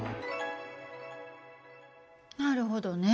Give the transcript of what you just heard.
なるほどね。